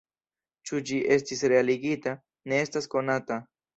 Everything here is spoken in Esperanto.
Ĉu ĝi estis realigita, ne estas konata.